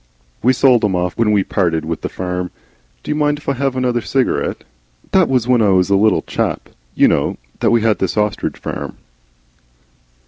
"We sold 'em off, when we parted with the farm. Do you mind if I have another cigarette? That was when I was quite a little chap, you know, that we had this ostrich farm."